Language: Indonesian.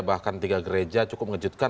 bahkan tiga gereja cukup mengejutkan